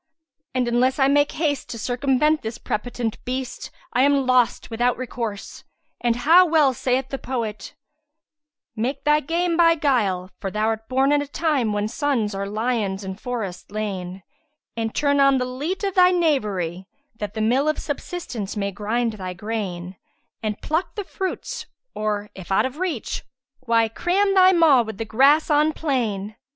And unless I make haste to circumvent this prepotent beast I am lost without recourse; and how well saith the poet, 'Make thy game by guile, for thou'rt born in a Time * Whose sons are lions in forest lain; And turn on the leat[FN#160] of thy knavery * That the mill of subsistence may grind thy grain; And pluck the fruits or, if out of reach, * Why, cram thy maw with the grass on plain.'"